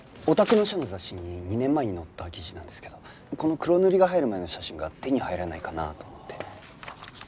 お宅の社の雑誌に２年前に載った記事なんですけどこの黒塗りが入る前の写真が手に入らないかなと思って。